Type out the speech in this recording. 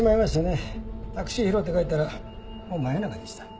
タクシー拾って帰ったらもう真夜中でした。